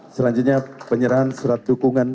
selanjutnya penyerahan surat dukungan